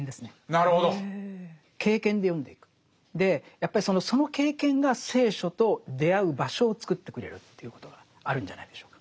やっぱりその経験が聖書と出会う場所をつくってくれるということがあるんじゃないでしょうか。